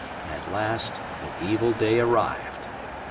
At last the evil day arrived.